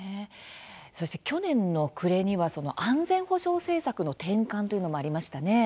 そして、去年の暮れには安全保障政策の転換というのもありましたね。